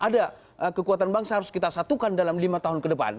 ada kekuatan bangsa harus kita satukan dalam lima tahun ke depan